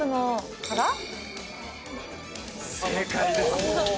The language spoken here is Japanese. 正解です！